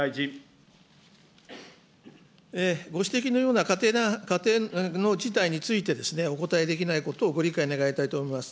ご指摘のような仮定の事態について、お答えできないことをご理解願いたいと思います。